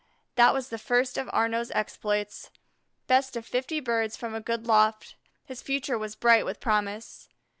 That was the first of Arnaux's exploits. Best of fifty birds from a good loft, his future was bright with promise.